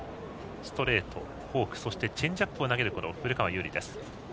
ストレート、フォークそしてチェンジアップを投げるこの古川侑利です。